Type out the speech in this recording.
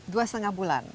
dua setengah bulan